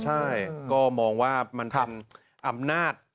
ใช่ก็มองว่ามันเป็นอำนาจ